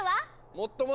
もっともだ！